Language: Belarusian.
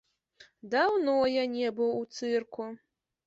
Даўно я не быў у цырку.